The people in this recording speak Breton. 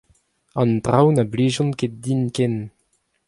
An traoù na blijont ket din ken.